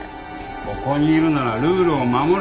ここにいるならルールを守れ。